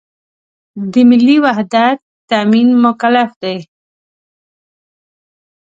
د ملي وحدت تأمین مکلف دی.